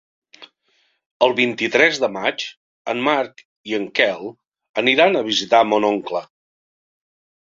El vint-i-tres de maig en Marc i en Quel aniran a visitar mon oncle.